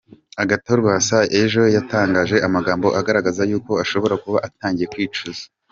Agathon Rwasa ejo yatangaje amagambo agaragaza yuko ashobora kuba atangiye kwicuza !